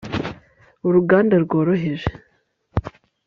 uruganda rworoheje